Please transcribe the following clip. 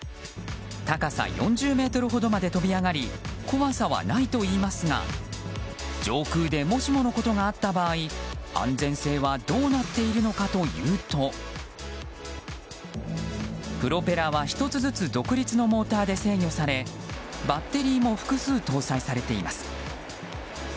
高さ４０ｍほどまで飛び上がり怖さはないといいますが上空でもしものことがあった場合安全性はどうなっているのかというとプロペラは、１つずつ独立のモーターで制御されバッテリーも複数搭載されています。